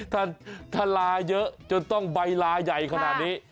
ถ้าลาเยอะจนต้องใบลาใหญ่ขนาดนี้